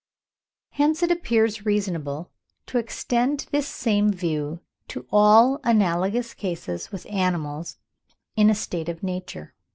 Hence it appears reasonable to extend this same view to all analogous cases with animals in a state of nature.